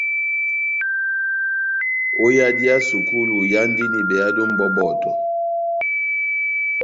Ó yadi ya sukulu, ihándini behado mʼbɔbɔtɔ.